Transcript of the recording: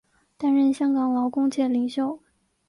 担任香港劳工界领袖。